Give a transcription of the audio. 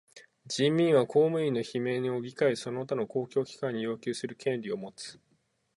人民は公務員の罷免を議会その他の公共機関に要求する権利をもつ。